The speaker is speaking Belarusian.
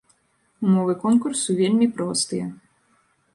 Умовы конкурсу вельмі простыя.